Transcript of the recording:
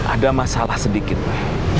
ada masalah sedikit pak